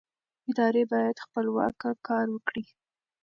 ادارې باید خپلواکه کار وکړي